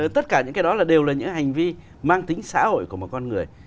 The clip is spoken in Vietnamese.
tất cả những cái đó đều là những hành vi mang tính xã hội của một con người